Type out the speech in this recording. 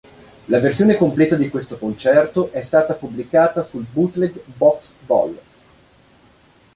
La versione completa di questo concerto è stata pubblicata sul "Bootleg Box Vol.